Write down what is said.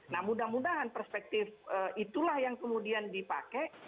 nah mudah mudahan perspektif itulah yang kemudian dipakai